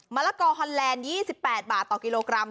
ละกอฮอนแลนด์๒๘บาทต่อกิโลกรัม